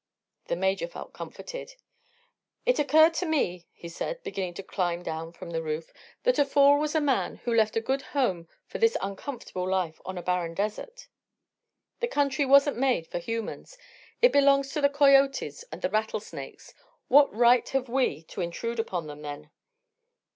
The Major felt comforted. "It occurred to me," he said, beginning to climb down from the roof, "that a fool was a man who left a good home for this uncomfortable life on a barren desert. This country wasn't made for humans; it belongs to the coyotes and the rattlesnakes. What right have we to intrude upon them, then?"